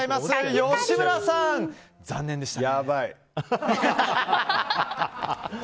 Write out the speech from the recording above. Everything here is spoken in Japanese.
吉村さん、残念でしたね。